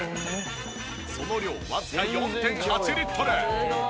その量わずか４．８リットル！